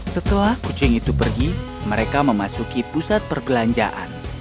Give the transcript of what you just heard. setelah kucing itu pergi mereka memasuki pusat perbelanjaan